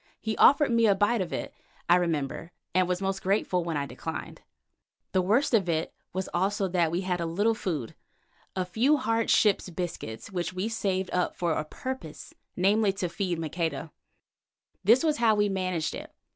He offered me a bite of it, I remember, and was most grateful when I declined. The worst of it was also that we had a little food, a few hard ship's biscuits, which we had saved up for a purpose, namely, to feed Maqueda. This was how we managed it.